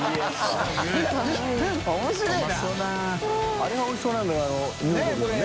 あれがおいしそうなんだよね